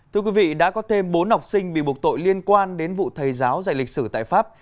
thưa quý vị đã có thêm bốn học sinh bị buộc tội liên quan đến vụ thầy giáo dạy lịch sử tại pháp